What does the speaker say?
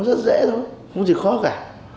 rất dễ thôi không gì khó cả